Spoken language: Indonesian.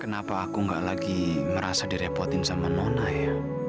kenapa aku nggak lagi merasa direpotin sama nona ya